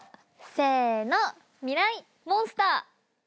せーのミライ☆モンスター。